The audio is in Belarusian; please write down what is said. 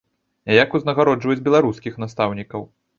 Як узнагароджваюць беларускіх настаўнікаў?